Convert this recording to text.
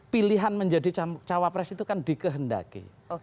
pilihan menjadi cawapres itu kan dikehendaki